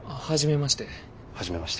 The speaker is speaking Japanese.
初めまして。